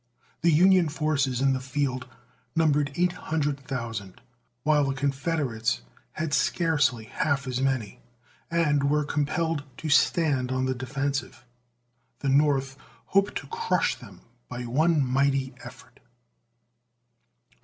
The Union forces in the field numbered eight hundred thousand, while the Confederates had scarcely half as many, and were compelled to stand on the defensive. The North hoped to crush them by one mighty effort.